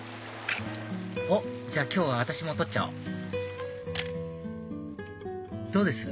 おっ今日は私も撮っちゃおうどうです？